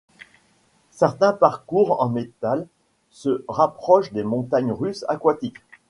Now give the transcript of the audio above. Certains parcours en métal se rapprochent des montagnes russes aquatiques.